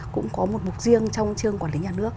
cũng có một mục riêng trong trường quản lý nhà nước